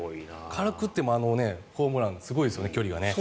軽く打ってもあのホームランすごいですよね、距離がね。